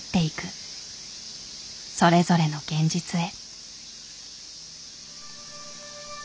それぞれの現実へ。